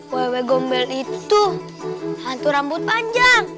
see gue lavanya tracker disana ya